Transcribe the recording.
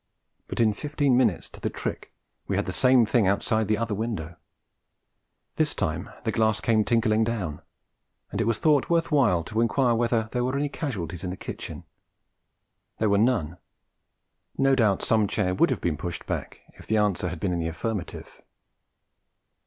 But in fifteen minutes to the tick we had the same thing outside the other window. This time the glass came tinkling down, and it was thought worth while to inquire whether there were any casualties in the kitchen. There were none: no doubt some chair would have been pushed back if the answer had been in the affirmative.